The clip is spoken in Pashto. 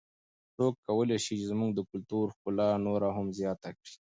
څوک کولای سي چې زموږ د کلتور ښکلا نوره هم زیاته کړي؟